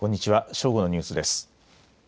正午のニュースです。